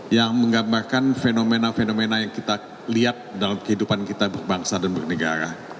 yang menggambarkan fenomena fenomena yang kita lihat dalam kehidupan kita berbangsa dan bernegara